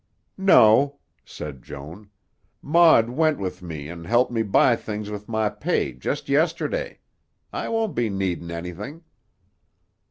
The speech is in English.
"No," said Joan. "Maud went with me an' helped me buy things with my pay just yesterday. I won't be needin' anything."